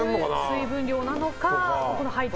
水分量なのか。